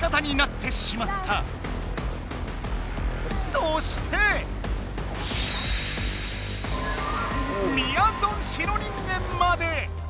そしてみやぞん白人間まで！